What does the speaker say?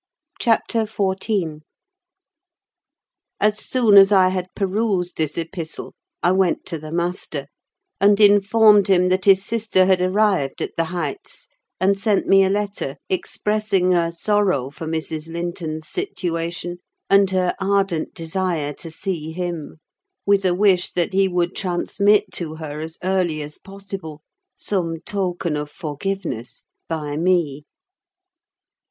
CHAPTER XIV As soon as I had perused this epistle I went to the master, and informed him that his sister had arrived at the Heights, and sent me a letter expressing her sorrow for Mrs. Linton's situation, and her ardent desire to see him; with a wish that he would transmit to her, as early as possible, some token of forgiveness by me.